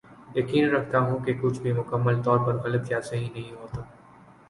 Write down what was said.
یقین رکھتا ہوں کہ کچھ بھی مکمل طور پر غلط یا صحیح نہیں ہوتا